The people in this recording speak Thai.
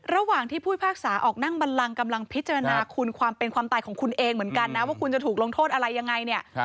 ระหว่างที่ผู้พิพากษาออกนั่งบันลังกำลังพิจารณาคุณความเป็นความตายของคุณเองเหมือนกันนะว่าคุณจะถูกลงโทษอะไรยังไงเนี่ย